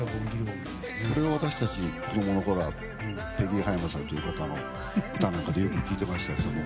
それを私たち、子供のころはペギー葉山さんという方の歌なんかで聞いてましたけども。